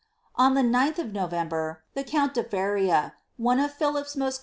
On the 9th of November, the count de Feria, one of Philip's most >MS.